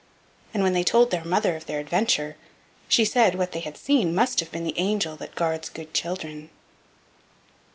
And when they told their mother of their adventure, she said what they had seen must have been the angel that guards good children.